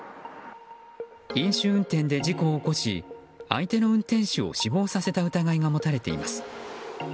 飲酒運転で事故を起こし相手の運転手を死亡させた疑いが持たれています。